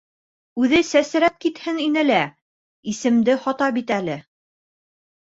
Үҙе сәсрәп китһен ине лә, исемде һата бит әле...